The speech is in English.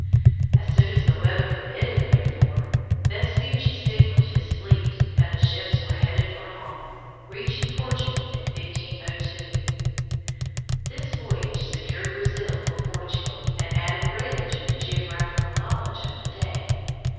As soon as the weather permitted, therefore, Vespucci signaled his fleet, and the ships were headed for home, reaching Portugal in 1502. This voyage secured Brazil for Portugal, and added greatly to the geographical knowledge of the day.